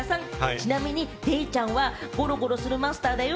ちなみにデイちゃんは、ゴロゴロするマスターだよ。